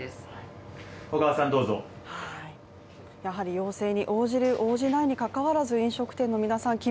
やはり要請に応じる応じないに関わらず飲食店の皆さん